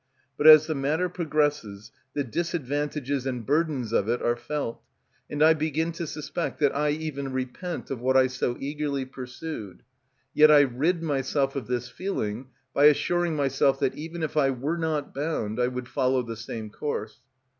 But as the matter progresses the disadvantages and burdens of it are felt, and I begin to suspect that I even repent of what I so eagerly pursued; yet I rid myself of this feeling by assuring myself that even if I were not bound I would follow the same course.